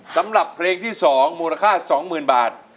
สำหรับเพลงที่๒มูลค่า๒๐๐๐บาท